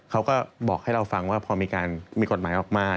เขาก็บอกให้เราฟังว่าพอมีการมีกฎหมายออกมา